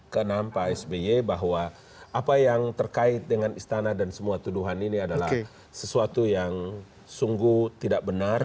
ke enam pak sby bahwa apa yang terkait dengan istana dan semua tuduhan ini adalah sesuatu yang sungguh tidak benar